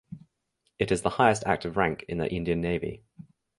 It is the highest active rank in the Indian Navy.